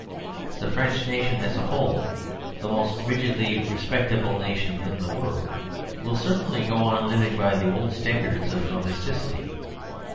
The French nation as a whole, the most rigidly respectable nation in the world, will certainly go on liv ing by the old standards of domesticity.